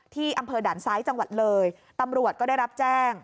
ที่อำเภอด่านซ้ายจังหวัดเลยตำรวจก็ได้รับแจ้ง